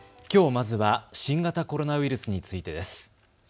きょうまずは新型コロナウイルスについてです。